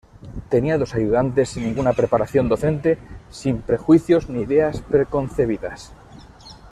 Tenía dos ayudantes sin ninguna preparación docente, sin prejuicios ni ideas preconcebidas.